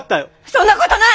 そんなことない！